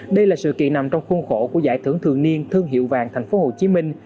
đây là sự kiện nằm trong khuôn khổ của giải thưởng thường niên thương hiệu vàng thành phố hồ chí minh